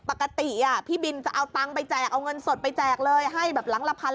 พี่บินจะเอาเงินสดไปแจกเลยให้แบบหลังละพัน